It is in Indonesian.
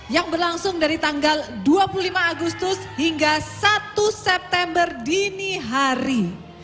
yang berlangsung dari tanggal dua puluh lima agustus hingga satu september dini hari